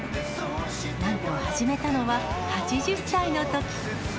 なんと始めたのは８０歳のとき。